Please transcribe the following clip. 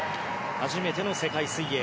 初めての世界水泳。